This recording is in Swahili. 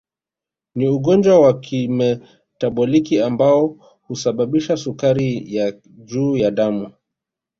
Ni ugonjwa wa kimetaboliki ambao husababisha sukari ya juu ya damu